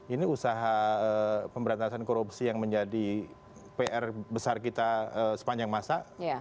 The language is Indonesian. ini usaha pemberantasan korupsi yang menjadi pr besar kita sepanjang masa